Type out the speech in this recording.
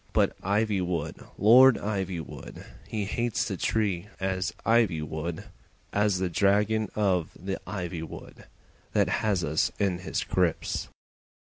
But Ivywood, Lord Ivywood, He hates the tree as ivy would, As the dragon of the ivy would That has us in his grips.